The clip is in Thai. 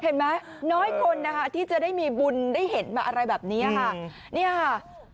เห็นไหมน้อยคนนะคะที่จะได้มีบุญได้เห็นมาอะไรแบบนี้ค่ะเนี่ยค่ะ